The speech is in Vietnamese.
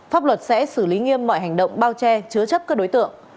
pháp luật sẽ xử lý nghiêm mọi hành động bao che chứa chấp các đối tượng